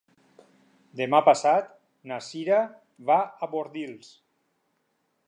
Demà passat na Cira va a Bordils.